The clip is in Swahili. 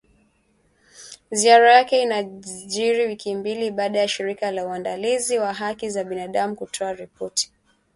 Ziara yake inajiri wiki mbili baada ya Shirika la Uangalizi wa Haki za Binadamu kutoa ripoti